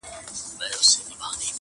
راځی چي وشړو له خپلو کلیو٫